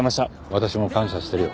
私も感謝してるよ。